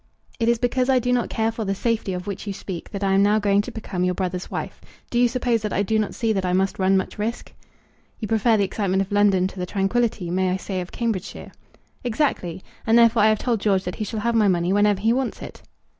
"It is because I do not care for the safety of which you speak that I am now going to become your brother's wife. Do you suppose that I do not see that I must run much risk?" "You prefer the excitement of London to the tranquillity, may I say, of Cambridgeshire." "Exactly; and therefore I have told George that he shall have my money whenever he wants it."